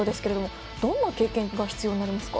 どんな経験が必要なんですか？